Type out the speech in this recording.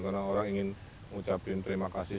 karena orang ingin mengucapkan terima kasih